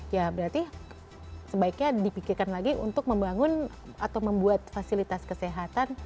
ya berarti sebaiknya dipikirkan lagi untuk membangun atau membuat fasilitas kesehatan